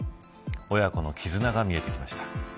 親子のきずなが見えてきました。